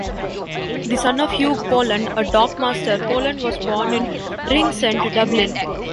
The son of Hugh Pollen, a dock master, Pollen was born in Ringsend, Dublin.